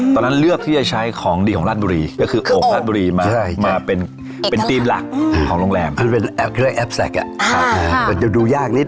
ตอนนั้นเลือกที่ใช้ของดีของรัสบุรี